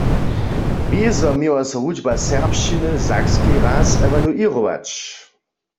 Wězo měła so wučba serbšćiny w Sakskej raz ewaluěrować.